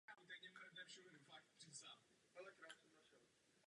Druhou velkou chybou byl způsob, jakým se jednání vedla.